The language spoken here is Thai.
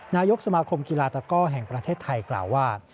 นายกสมาคมกีฬาตะก้อแห่งประเทศไทยกล่าวว่า